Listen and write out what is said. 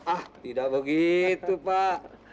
ah tidak begitu pak